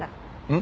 ん？